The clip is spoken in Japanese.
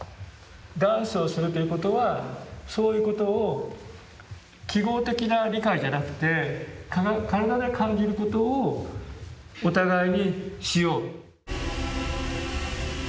ダンスをするということはそういうことを記号的な理解じゃなくて身体で感じることをお互いにしよう。